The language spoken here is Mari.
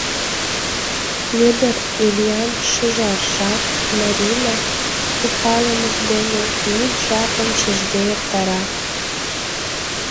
Вӧдыр Илян шӱжаржат, Марина, у палымыж дене йӱд жапым шижде эртара.